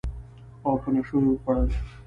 او په نشو یې وخوړل